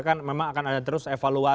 karena saya harus apaleyu